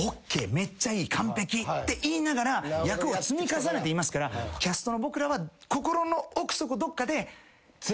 「めっちゃいい」「完璧」って言いながら役を積み重ねていますからキャストの僕らは。